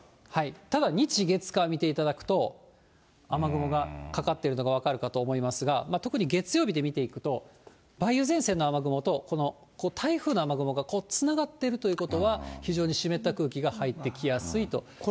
ただ、日、月、火、見ていただくと、雨雲がかかってるのが分かるかと思いますが、特に月曜日で見ていくと、梅雨前線の雨雲と、この台風の雨雲がこう、つながってるということは、非常に湿った空気が入ってきやすいということです。